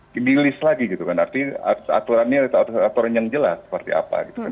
di list lagi gitu kan artinya aturannya aturan yang jelas seperti apa gitu kan